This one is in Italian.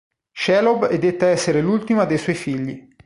Shelob è detta essere l'ultima dei suoi figli.